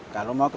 kalau mau ke